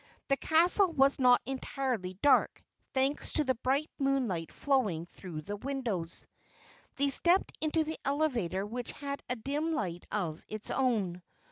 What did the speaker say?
The castle was not entirely dark, thanks to the bright moonlight flowing through the windows. They stepped into the elevator which had a dim light of its own.